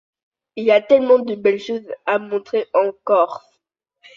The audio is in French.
Il y a tellement de belles choses à montrer en Corse...